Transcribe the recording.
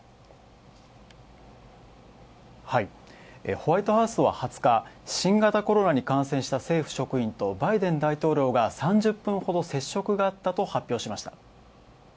ホワイトハウスは、２０日、新型コロナに感染した政府職員とバイデン大統領が３０分ほど接触があったと発表しました。